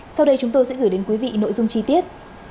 sau đây chúng tôi sẽ gửi đến quý vị nội dung chi tiết